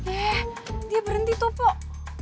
eh dia berhenti tuh pak